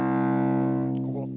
ここ。